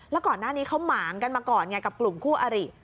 แล้วก่อนหน้านี้เขาหมางกันมาก่อนไงกับกลุ่มคู่อริ